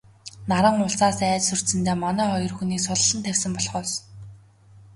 Наран улсаас айж сүрдсэндээ манай хоёр хүнийг суллан тавьсан болохоос...